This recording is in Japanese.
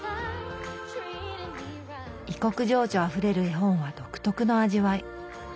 異国情緒あふれる絵本は独特の味わい。